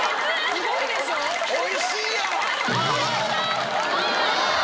おいしいやん！